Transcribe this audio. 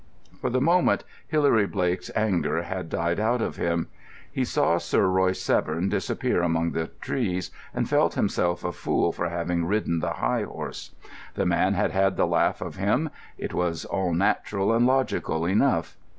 For the moment Hilary Blake's anger had died out of him. He saw Sir Royce Severn disappear among the trees, and felt himself a fool for having ridden the high horse. The man had had the laugh of him. It was all natural, and logical enough.